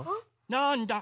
なんだ？